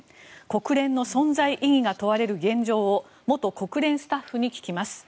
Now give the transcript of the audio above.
国連の存在意義が問われる現状を元国連スタッフに聞きます。